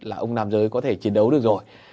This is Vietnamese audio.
là ông nam giới có thể chiến đấu được rồi